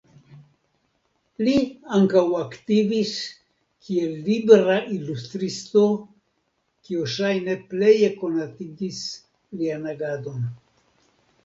Li ankaŭ aktivis kiel libra ilustristo kio ŝajne pleje konatigis lian agadon.